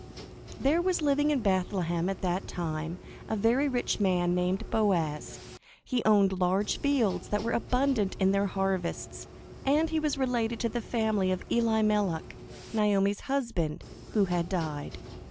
There was living in Bethlehem at that time a very rich man named Boaz. He owned large fields that were abundant in their harvests; and he was related to the family of Elimelech, Naomi's husband, who had died.